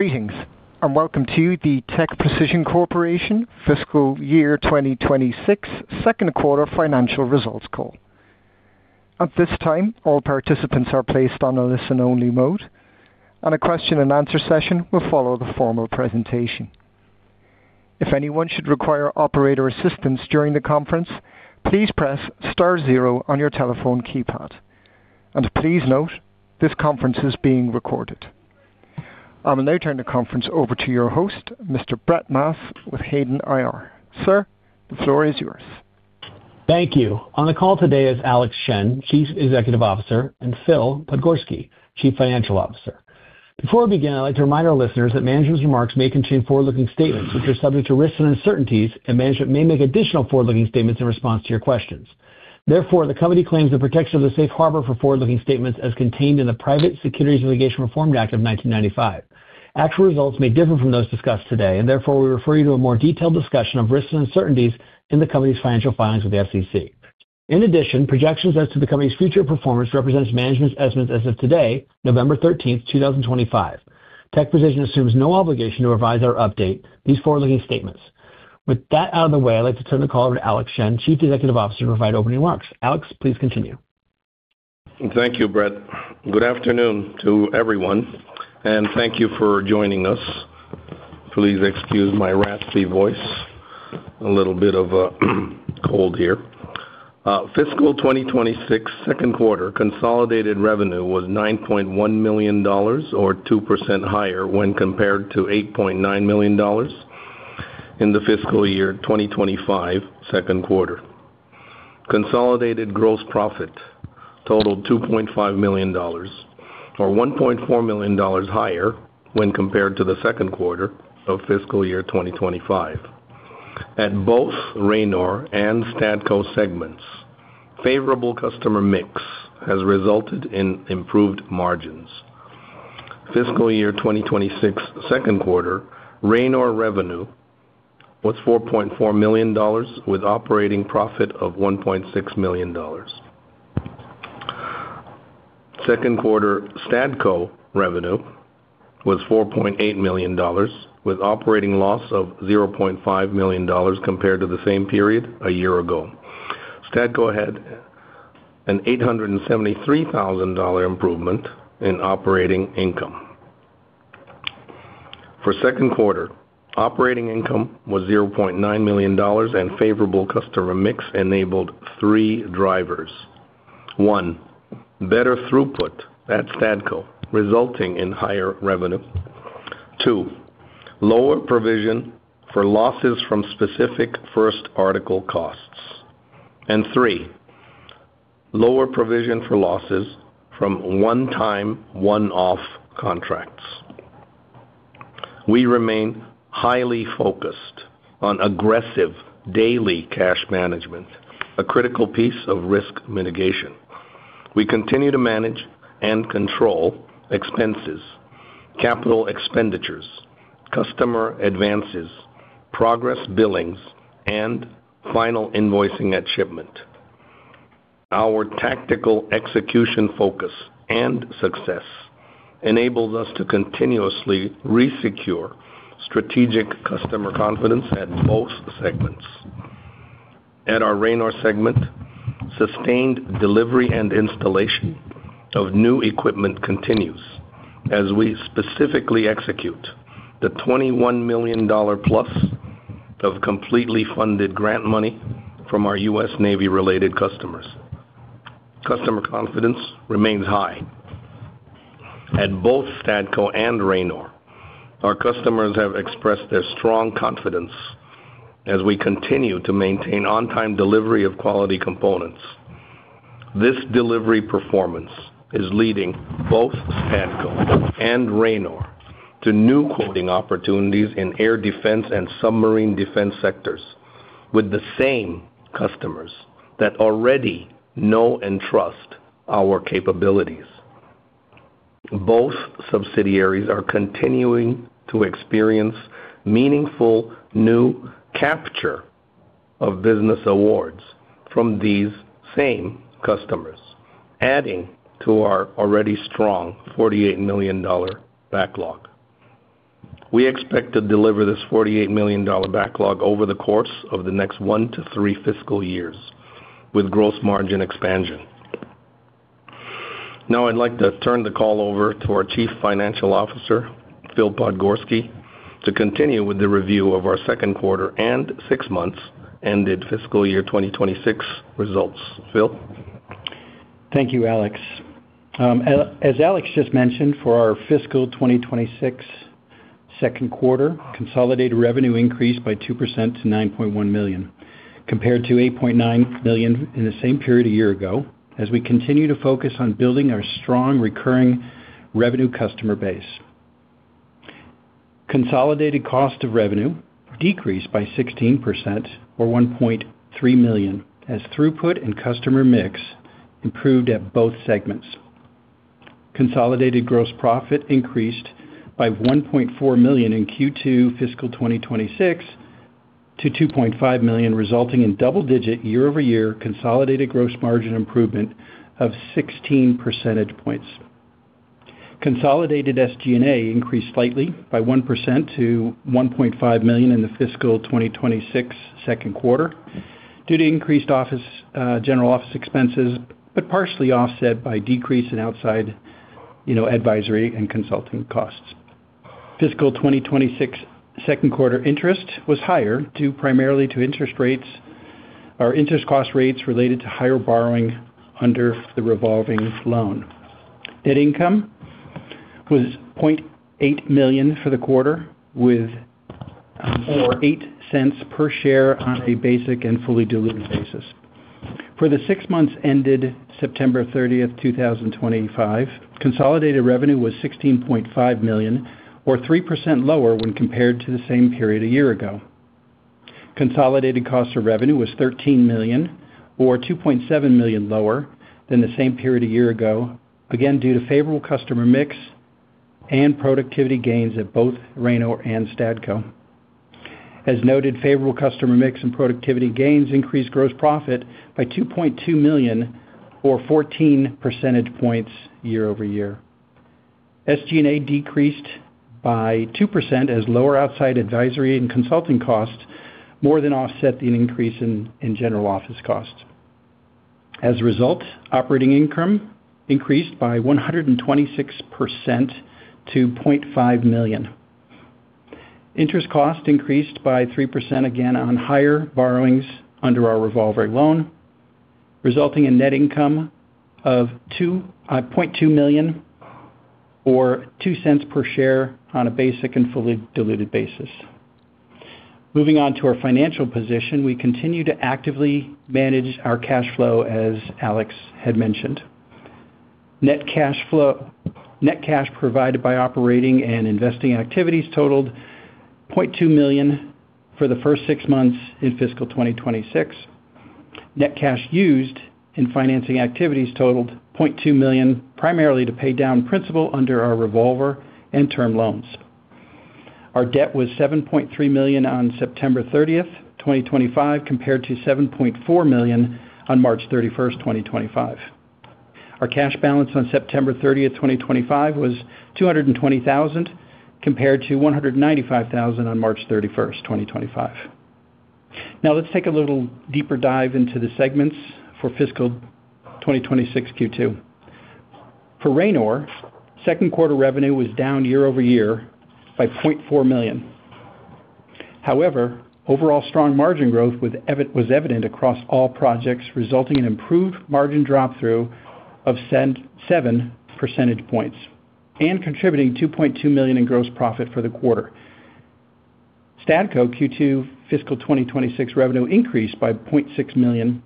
Greetings and welcome to the TechPrecision Corporation FY 2026 Q2 financial results call. At this time, all participants are placed on a listen-only mode, and a question-and-answer session will follow the formal presentation. If anyone should require operator assistance during the conference, please press star zero on your telephone keypad. Please note, this conference is being recorded. I will now turn the conference over to your host, Mr. Brett Maas, with Hayden IR. Sir, the floor is yours. Thank you. On the call today is Alex Shen, Chief Executive Officer, and Phil Podgorski, Chief Financial Officer. Before we begin, I'd like to remind our listeners that management's remarks may contain forward-looking statements which are subject to risks and uncertainties, and management may make additional forward-looking statements in response to your questions. Therefore, the company claims the protection of the safe harbor for forward-looking statements as contained in the Private Securities and Litigation Reform Act of 1995. Actual results may differ from those discussed today, and therefore we refer you to a more detailed discussion of risks and uncertainties in the company's financial filings with the SEC. In addition, projections as to the company's future performance represent management's estimates as of today, November 13, 2025. TechPrecision assumes no obligation to revise or update these forward-looking statements. With that out of the way, I'd like to turn the call over to Alex Shen, Chief Executive Officer, to provide opening remarks. Alex, please continue. Thank you, Brett. Good afternoon to everyone, and thank you for joining us. Please excuse my raspy voice; a little bit of a cold here. Fiscal 2026 Q2 consolidated revenue was $9.1 million, or 2% higher when compared to $8.9 million in the fiscal year 2025 Q2. Consolidated gross profit totaled $2.5 million, or $1.4 million higher when compared to the second quarter of fiscal year 2025. At both Raynor and Statco segments, favorable customer mix has resulted in improved margins. Fiscal year 2026 Q2 Raynor revenue was $4.4 million, with operating profit of $1.6 million. Q2 Statco revenue was $4.8 million, with operating loss of $0.5 million compared to the same period a year ago. Statco had an $873,000 improvement in operating income. For Q2, operating income was $0.9 million, and favorable customer mix enabled three drivers: one, better throughput at Statco, resulting in higher revenue; two, lower provision for losses from specific first article costs; and three, lower provision for losses from one-time one-off contracts. We remain highly focused on aggressive daily cash management, a critical piece of risk mitigation. We continue to manage and control expenses, capital expenditures, customer advances, progress billings, and final invoicing at shipment. Our tactical execution focus and success enables us to continuously re-secure strategic customer confidence at both segments. At our Raynor segment, sustained delivery and installation of new equipment continues as we specifically execute the $21 million plus of completely funded grant money from our U.S. Navy-related customers. Customer confidence remains high. At both Statco and Raynor, our customers have expressed their strong confidence as we continue to maintain on-time delivery of quality components. This delivery performance is leading both Statco and Raynor to new quoting opportunities in air defense and submarine defense sectors with the same customers that already know and trust our capabilities. Both subsidiaries are continuing to experience meaningful new capture of business awards from these same customers, adding to our already strong $48 million backlog. We expect to deliver this $48 million backlog over the course of the next one to three fiscal years with gross margin expansion. Now, I'd like to turn the call over to our Chief Financial Officer, Phil Podgorski, to continue with the review of our Q2 and six months ended fiscal year 2026 results. Phil. Thank you, Alex. As Alex just mentioned, for our fiscal 2026 Q2, consolidated revenue increased by 2% to $9.1 million, compared to $8.9 million in the same period a year ago, as we continue to focus on building our strong recurring revenue customer base. Consolidated cost of revenue decreased by 16%, or $1.3 million, as throughput and customer mix improved at both segments. Consolidated gross profit increased by $1.4 million in Q2 fiscal 2026 to $2.5 million, resulting in double-digit year-over-year consolidated gross margin improvement of 16 percentage points. Consolidated SG&A increased slightly by 1% to $1.5 million in the fiscal 2026 Q2 due to increased general office expenses, but partially offset by decrease in outside advisory and consulting costs. Fiscal 2026 Q2 interest was higher due primarily to interest cost rates related to higher borrowing under the revolving loan. Net income was $0.8 million for the quarter, or $0.08 per share on a basic and fully diluted basis. For the six months ended September 30, 2025, consolidated revenue was $16.5 million, or 3% lower when compared to the same period a year ago. Consolidated cost of revenue was $13 million, or $2.7 million lower than the same period a year ago, again due to favorable customer mix and productivity gains at both Raynor and Statco. As noted, favorable customer mix and productivity gains increased gross profit by $2.2 million, or 14 percentage points year-over-year. SG&A decreased by 2% as lower outside advisory and consulting costs more than offset the increase in general office costs. As a result, operating income increased by 126% to $0.5 million. Interest cost increased by 3% again on higher borrowings under our revolving loan, resulting in net income of $0.2 million, or 2 cents per share on a basic and fully diluted basis. Moving on to our financial position, we continue to actively manage our cash flow, as Alex had mentioned. Net cash provided by operating and investing activities totaled $0.2 million for the first six months in fiscal 2026. Net cash used in financing activities totaled $0.2 million, primarily to pay down principal under our revolver and term loans. Our debt was $7.3 million on September 30, 2025, compared to $7.4 million on March 31, 2025. Our cash balance on September 30, 2025, was $220,000, compared to $195,000 on March 31, 2025. Now, let's take a little deeper dive into the segments for fiscal 2026 Q2. For Raynor, Q2 revenue was down year-over-year by $0.4 million. However, overall strong margin growth was evident across all projects, resulting in improved margin drop-through of 7 percentage points and contributing $2.2 million in gross profit for the quarter. Statco Q2 fiscal 2026 revenue increased by $0.6 million,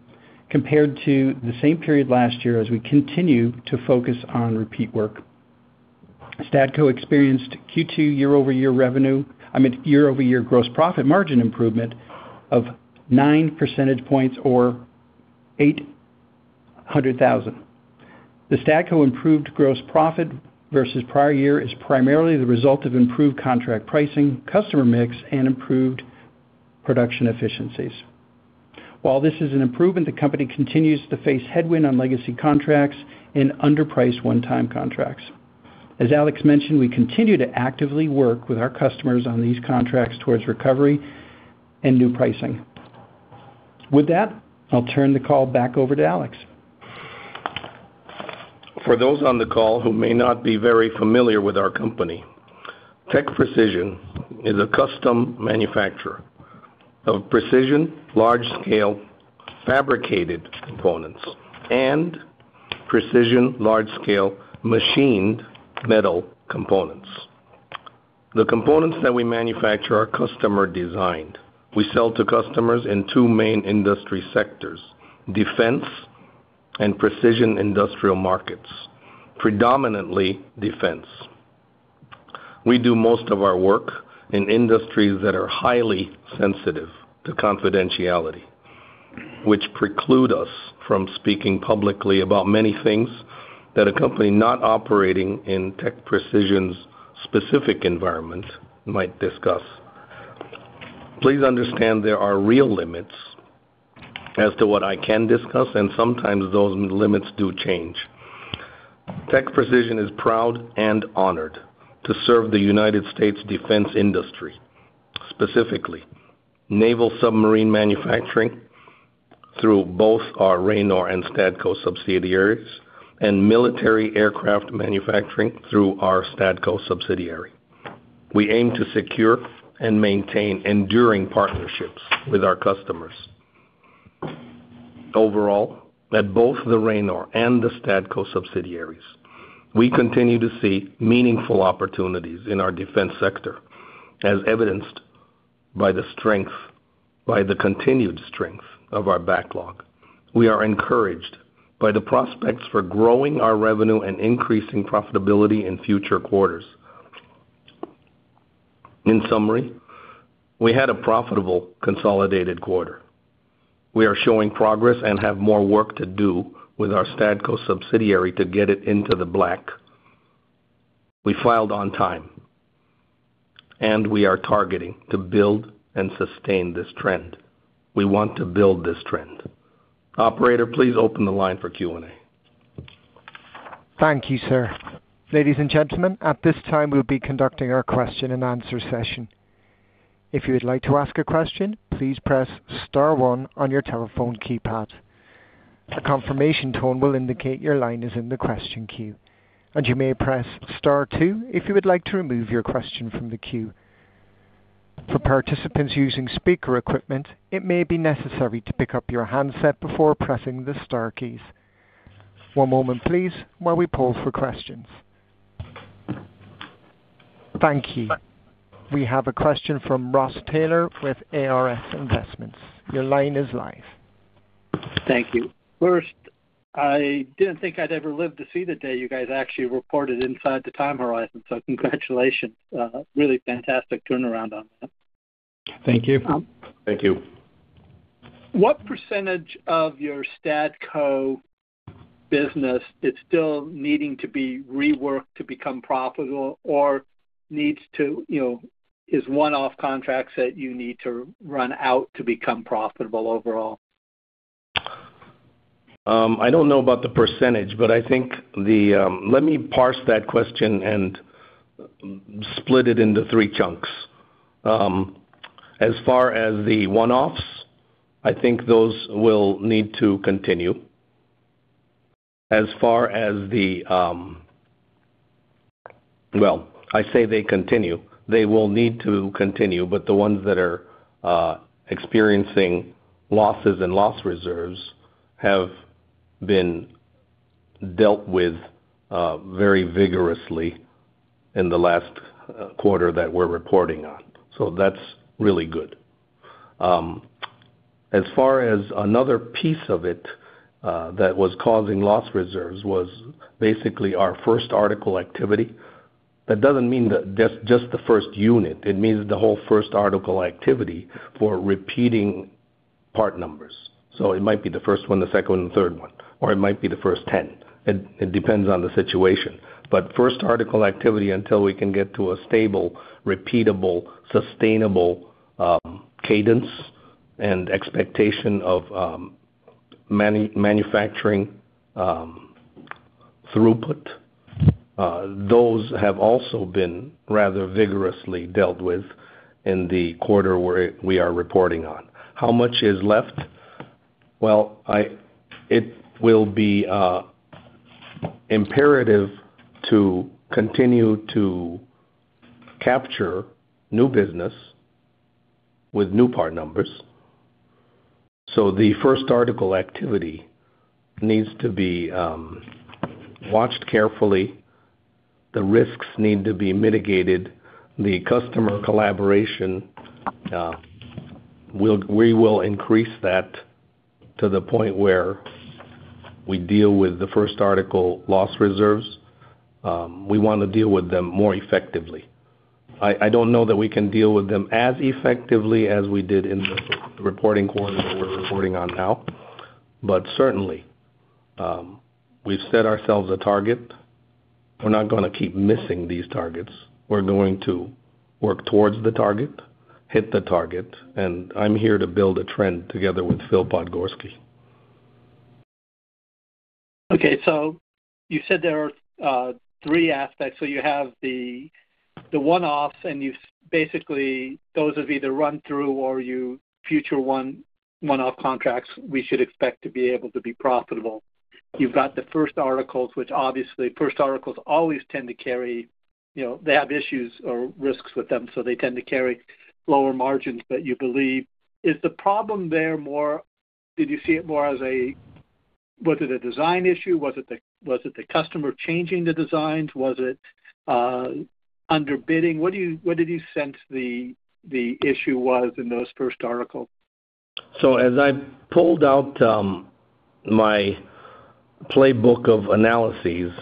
compared to the same period last year, as we continue to focus on repeat work. Statco experienced Q2 year-over-year gross profit margin improvement of 9 percentage points, or $800,000. The Statco improved gross profit versus prior year is primarily the result of improved contract pricing, customer mix, and improved production efficiencies. While this is an improvement, the company continues to face headwind on legacy contracts and underpriced one-time contracts. As Alex mentioned, we continue to actively work with our customers on these contracts towards recovery and new pricing. With that, I'll turn the call back over to Alex. For those on the call who may not be very familiar with our company, TechPrecision is a custom manufacturer of precision large-scale fabricated components and precision large-scale machined metal components. The components that we manufacture are customer designed. We sell to customers in two main industry sectors: defense and precision industrial markets, predominantly defense. We do most of our work in industries that are highly sensitive to confidentiality, which preclude us from speaking publicly about many things that a company not operating in TechPrecision's specific environment might discuss. Please understand there are real limits as to what I can discuss, and sometimes those limits do change. TechPrecision is proud and honored to serve the U.S. defense industry, specifically naval submarine manufacturing through both our Raynor and Statco subsidiaries, and military aircraft manufacturing through our Statco subsidiary. We aim to secure and maintain enduring partnerships with our customers. Overall, at both the Raynor and the Statco subsidiaries, we continue to see meaningful opportunities in our defense sector, as evidenced by the continued strength of our backlog. We are encouraged by the prospects for growing our revenue and increasing profitability in future quarters. In summary, we had a profitable consolidated quarter. We are showing progress and have more work to do with our Statco subsidiary to get it into the black. We filed on time, and we are targeting to build and sustain this trend. We want to build this trend. Operator, please open the line for Q&A. Thank you, sir. Ladies and gentlemen, at this time, we'll be conducting our question-and-answer session. If you would like to ask a question, please press Star 1 on your telephone keypad. A confirmation tone will indicate your line is in the question queue, and you may press Star 2 if you would like to remove your question from the queue. For participants using speaker equipment, it may be necessary to pick up your handset before pressing the Star keys. One moment, please, while we poll for questions. Thank you. We have a question from Ross Taylor with ARS Investments. Your line is live. Thank you. First, I didn't think I'd ever live to see the day you guys actually reported inside the time horizon, so congratulations. Really fantastic turnaround on that. Thank you. Thank you. What percentage of your Statco business is still needing to be reworked to become profitable, or is one-off contracts that you need to run out to become profitable overall? I don't know about the percentage, but I think the let me parse that question and split it into three chunks. As far as the one-offs, I think those will need to continue. As far as the, I say they continue. They will need to continue, but the ones that are experiencing losses and loss reserves have been dealt with very vigorously in the last quarter that we're reporting on. That is really good. As far as another piece of it that was causing loss reserves was basically our first article activity. That does not mean just the first unit. It means the whole first article activity for repeating part numbers. It might be the first one, the second one, and the third one, or it might be the first 10. It depends on the situation. First article activity, until we can get to a stable, repeatable, sustainable cadence and expectation of manufacturing throughput, those have also been rather vigorously dealt with in the quarter we are reporting on. How much is left? It will be imperative to continue to capture new business with new part numbers. So the first article activity needs to be watched carefully. The risks need to be mitigated. The customer collaboration, we will increase that to the point where we deal with the first article loss reserves. We want to deal with them more effectively. I do not know that we can deal with them as effectively as we did in the reporting quarter that we are reporting on now, but certainly, we have set ourselves a target. We are not going to keep missing these targets. We're going to work towards the target, hit the target, and I'm here to build a trend together with Phil Podgorski. Okay. You said there are three aspects. You have the one-offs, and basically, those would be the run-through or your future one-off contracts we should expect to be able to be profitable. You have the first articles, which obviously, first articles always tend to carry, they have issues or risks with them, so they tend to carry lower margins, but you believe. Is the problem there more, did you see it more as a, was it a design issue? Was it the customer changing the designs? Was it underbidding? What did you sense the issue was in those first articles? As I pulled out my playbook of analyses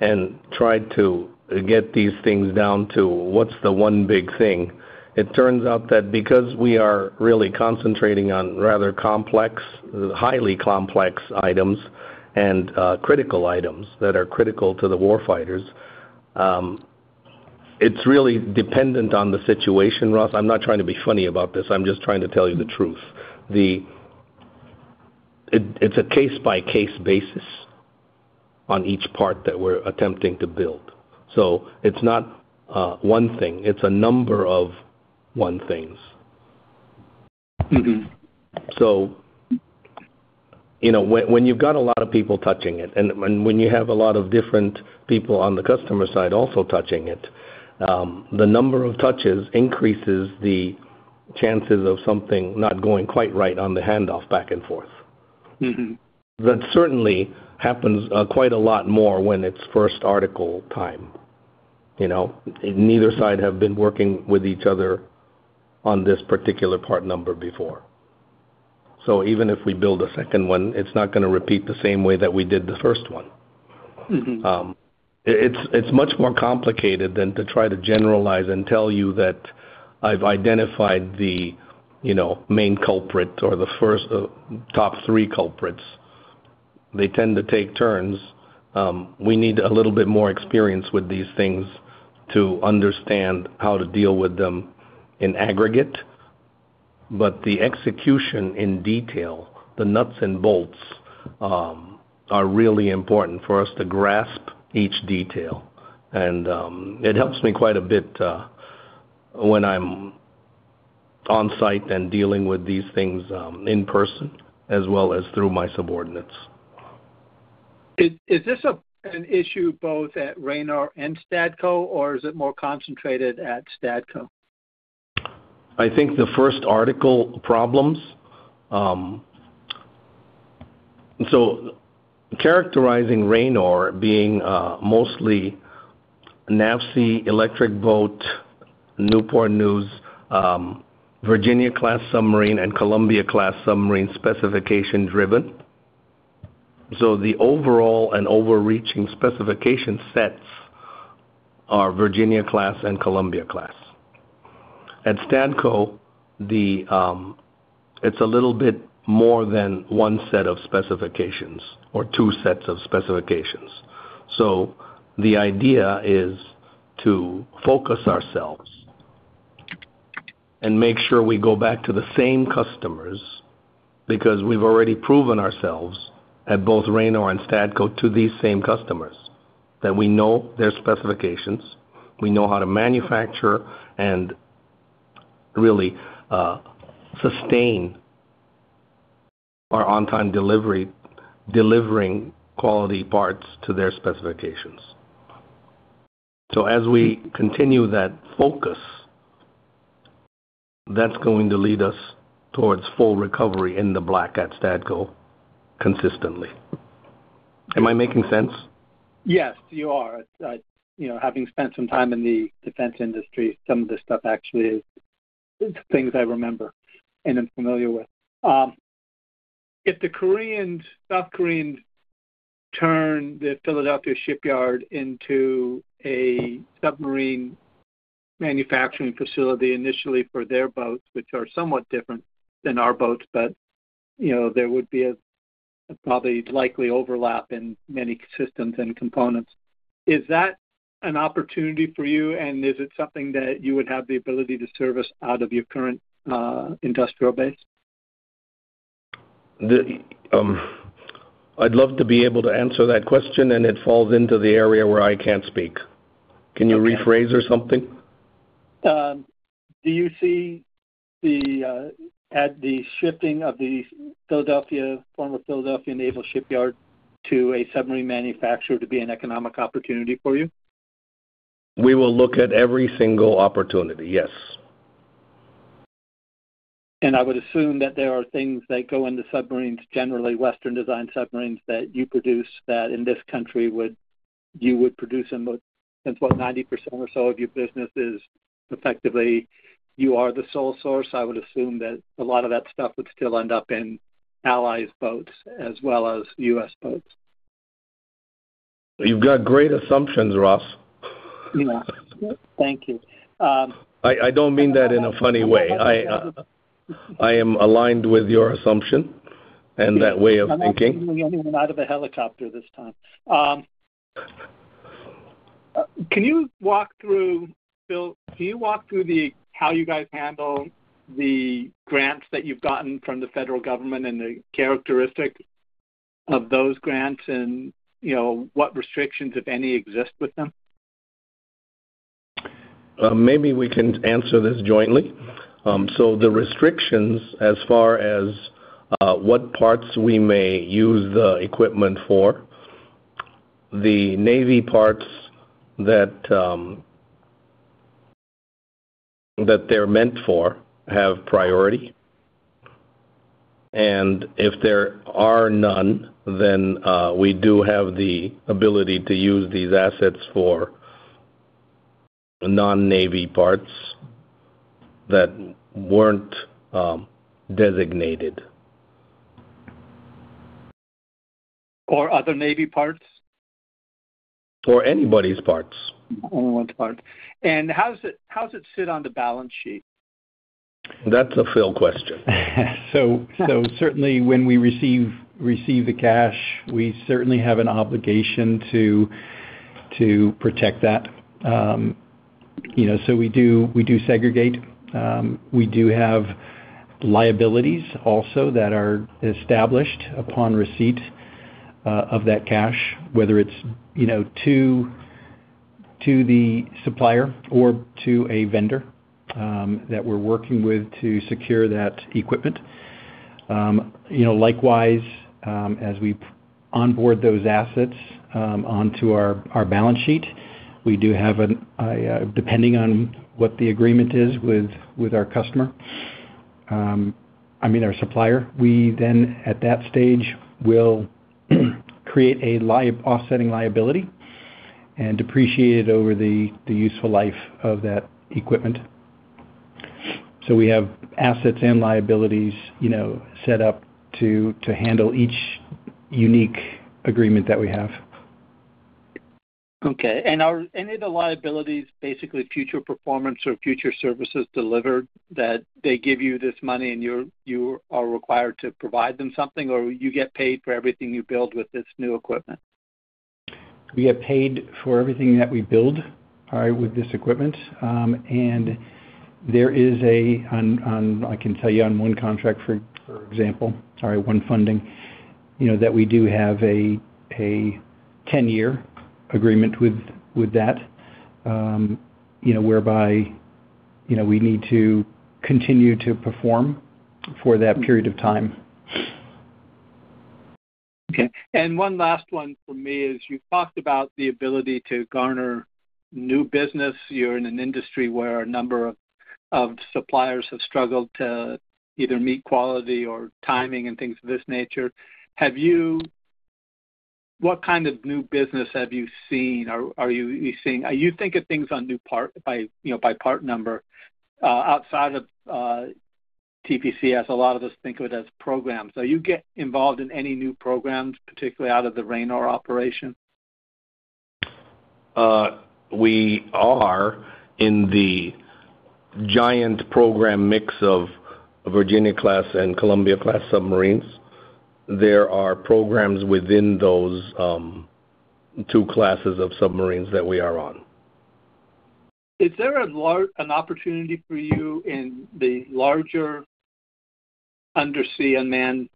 and tried to get these things down to what's the one big thing, it turns out that because we are really concentrating on rather complex, highly complex items and critical items that are critical to the war fighters, it's really dependent on the situation, Ross. I'm not trying to be funny about this. I'm just trying to tell you the truth. It's a case-by-case basis on each part that we're attempting to build. It's not one thing. It's a number of one things. When you've got a lot of people touching it, and when you have a lot of different people on the customer side also touching it, the number of touches increases the chances of something not going quite right on the handoff back and forth. That certainly happens quite a lot more when it's first article time. Neither side has been working with each other on this particular part number before. Even if we build a second one, it's not going to repeat the same way that we did the first one. It's much more complicated than to try to generalize and tell you that I've identified the main culprit or the top three culprits. They tend to take turns. We need a little bit more experience with these things to understand how to deal with them in aggregate. The execution in detail, the nuts and bolts, are really important for us to grasp each detail. It helps me quite a bit when I'm on site and dealing with these things in person as well as through my subordinates. Is this an issue both at Raynor and Statco, or is it more concentrated at Statco? I think the first article problems, so characterizing Raynor being mostly NAVSE, Electric Boat, Newport News, Virginia-class submarine, and Columbia-class submarine specification-driven. The overall and overreaching specification sets are Virginia-class and Columbia-class. At Statco, it's a little bit more than one set of specifications or two sets of specifications. The idea is to focus ourselves and make sure we go back to the same customers because we've already proven ourselves at both Raynor and Statco to these same customers that we know their specifications, we know how to manufacture, and really sustain our on-time delivery delivering quality parts to their specifications. As we continue that focus, that's going to lead us towards full recovery in the black at Statco consistently. Am I making sense? Yes, you are. Having spent some time in the defense industry, some of this stuff actually is things I remember and am familiar with. If the South Koreans turn the Philadelphia shipyard into a submarine manufacturing facility initially for their boats, which are somewhat different than our boats, but there would be a probably likely overlap in many systems and components, is that an opportunity for you, and is it something that you would have the ability to service out of your current industrial base? I'd love to be able to answer that question, and it falls into the area where I can't speak. Can you rephrase or something? Do you see the shifting of the former Philadelphia Naval shipyard to a submarine manufacturer to be an economic opportunity for you? We will look at every single opportunity, yes. I would assume that there are things that go into submarines, generally Western-designed submarines, that you produce that in this country you would produce in, since what, 90% or so of your business is effectively you are the sole source. I would assume that a lot of that stuff would still end up in allies' boats as well as U.S. boats. You've got great assumptions, Ross. Yeah, thank you. I don't mean that in a funny way. I am aligned with your assumption and that way of thinking. I'm not even out of a helicopter this time. Can you walk through, Phil? Can you walk through how you guys handle the grants that you've gotten from the federal government and the characteristics of those grants and what restrictions, if any, exist with them? Maybe we can answer this jointly. The restrictions as far as what parts we may use the equipment for, the Navy parts that they're meant for have priority. If there are none, then we do have the ability to use these assets for non-Navy parts that weren't designated. Or other Navy parts? Or anybody's parts. Anyone's part. How does it sit on the balance sheet? That's a Phil question. Certainly, when we receive the cash, we certainly have an obligation to protect that. We do segregate. We do have liabilities also that are established upon receipt of that cash, whether it is to the supplier or to a vendor that we are working with to secure that equipment. Likewise, as we onboard those assets onto our balance sheet, we do have a depending on what the agreement is with our customer, I mean, our supplier, we then at that stage will create an offsetting liability and depreciate it over the useful life of that equipment. We have assets and liabilities set up to handle each unique agreement that we have. Okay. Are any of the liabilities basically future performance or future services delivered, that they give you this money and you are required to provide them something, or you get paid for everything you build with this new equipment? We get paid for everything that we build with this equipment. There is a, I can tell you on one contract, for example, sorry, one funding, that we do have a 10-year agreement with that whereby we need to continue to perform for that period of time. Okay. One last one for me is you talked about the ability to garner new business. You're in an industry where a number of suppliers have struggled to either meet quality or timing and things of this nature. What kind of new business have you seen? Are you seeing, you think of things on new part by part number outside of TPCS? A lot of us think of it as programs. Are you involved in any new programs, particularly out of the Raynor operation? We are in the giant program mix of Virginia-class and Columbia-class submarines. There are programs within those two classes of submarines that we are on. Is there an opportunity for you in the larger undersea unmanned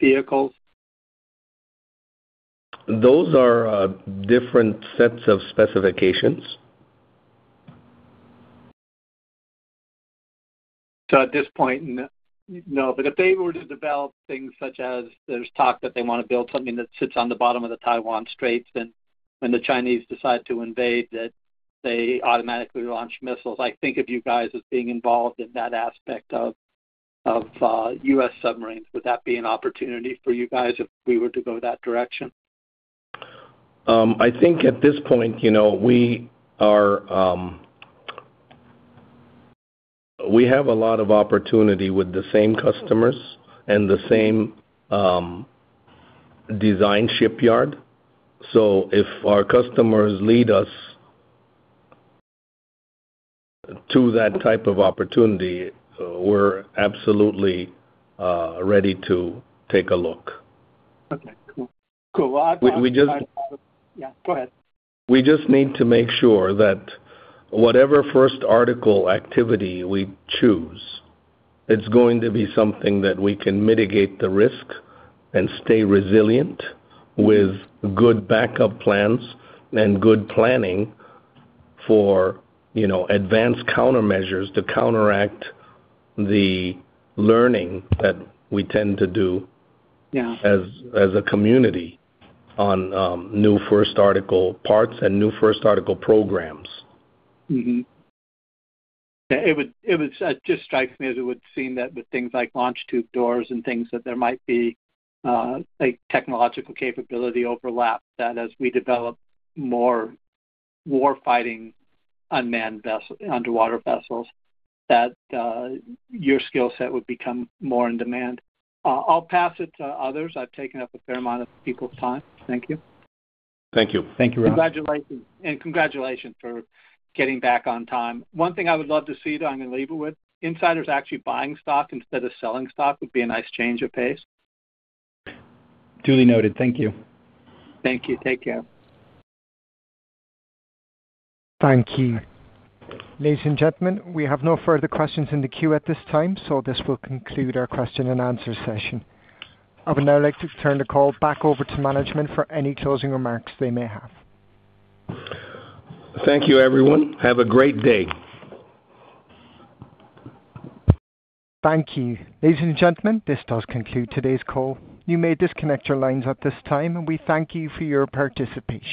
vehicles? Those are different sets of specifications. At this point, no. If they were to develop things such as there's talk that they want to build something that sits on the bottom of the Taiwan Straits, and when the Chinese decide to invade, that they automatically launch missiles, I think of you guys as being involved in that aspect of U.S. submarines. Would that be an opportunity for you guys if we were to go that direction? I think at this point, we have a lot of opportunity with the same customers and the same design shipyard. If our customers lead us to that type of opportunity, we're absolutely ready to take a look. Okay. Cool. Cool. I've got. We just. Yeah. Go ahead. We just need to make sure that whatever first article activity we choose, it's going to be something that we can mitigate the risk and stay resilient with good backup plans and good planning for advanced countermeasures to counteract the learning that we tend to do as a community on new first article parts and new first article programs. Okay. It would just strike me as it would seem that with things like longitude doors and things that there might be a technological capability overlap that as we develop more war fighting unmanned underwater vessels, that your skill set would become more in demand. I'll pass it to others. I've taken up a fair amount of people's time. Thank you. Thank you. Thank you, Ross. Congratulations. Congratulations for getting back on time. One thing I would love to see though, I'm going to leave it with, insiders actually buying stock instead of selling stock would be a nice change of pace. Duly noted. Thank you. Thank you. Take care. Thank you. Ladies and gentlemen, we have no further questions in the queue at this time, so this will conclude our question and answer session. I would now like to turn the call back over to management for any closing remarks they may have. Thank you, everyone. Have a great day. Thank you. Ladies and gentlemen, this does conclude today's call. You may disconnect your lines at this time, and we thank you for your participation.